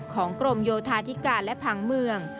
ของกรมโยธาธิการและผังเมือง